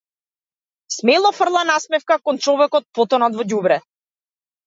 Смело фрла насмевка кон човекот потонат во ѓубре.